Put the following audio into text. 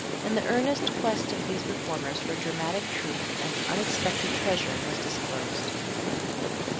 In the earnest quest of these reformers for dramatic truth an unexpected treasure was disclosed.